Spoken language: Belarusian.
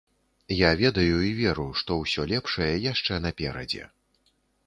Я ведаю і веру, што ўсё лепшае яшчэ наперадзе.